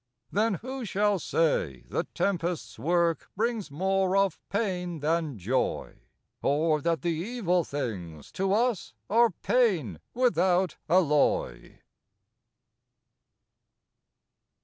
Then who shall say the tempest's work Brings more of pain than joy; Or that the evil things, to us Are pain, without alloy?